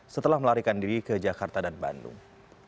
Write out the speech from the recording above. setelah melarikan diri ke jakarta dan bandung